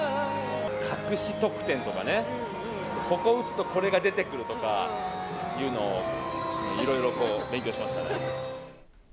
隠し得点とかね、ここ撃つとこれが出てくるとかいうのをいろいろこう勉強しました